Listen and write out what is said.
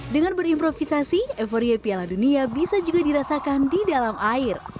dengan berimprovisasi euforia piala dunia bisa juga dirasakan di dalam air